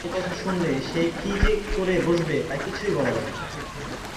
এ কথা শুনলে সে কী যে করে বসবে তা কিছুই বলা যায় না।